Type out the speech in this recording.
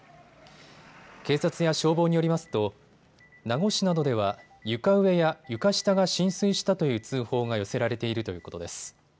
警察や消防によりますと名護市などでは床上や床下が浸水したという通報が寄せられているということです。